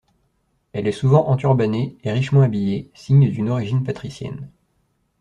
Elle est souvent enturbannée et richement habillée, signes d'une origine patricienne.